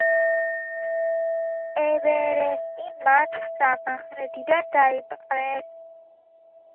ევერესტი მათ სამხრეთიდან დაიპყრეს.